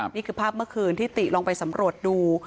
นี่คือภาพเมื่อคืนที่ติลองไปสำรวจดู